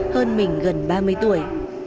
hơn mình gần ba mươi tuổi